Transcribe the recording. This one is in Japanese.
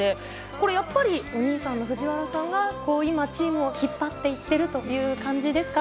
これやっぱりお兄さんの藤原さんが今、チームを引っ張っていっているという感じですか。